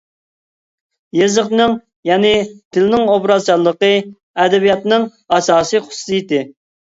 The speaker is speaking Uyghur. يېزىقنىڭ يەنى تىلنىڭ ئوبرازچانلىقى ئەدەبىياتنىڭ ئاساسىي خۇسۇسىيىتى.